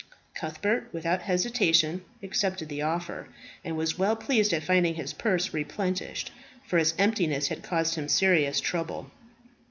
Cuthbert without hesitation accepted the offer, and was well pleased at finding his purse replenished, for its emptiness had caused him serious trouble.